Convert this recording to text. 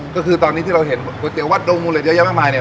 ก็คือตอนนี้ที่เราเห็นวัตเตี๋ยววัดโรงมูลเยอะมากมายเนี่ย